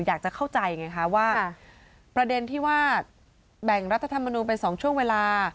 อยากจะเข้าใจไงคะว่าประเด็นที่ว่าแบ่งรัฐธรรมนูลเป็น๒ช่วงเวลา